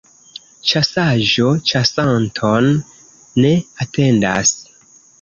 Ĉasaĵo ĉasanton ne atendas.